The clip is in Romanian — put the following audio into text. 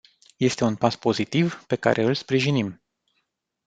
Este un pas pozitiv, pe care îl sprijinim.